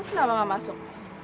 lu kenapa gak masuk